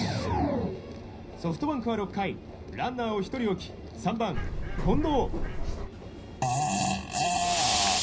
ソフトバンクは６回ランナーを１人置き３番、近藤。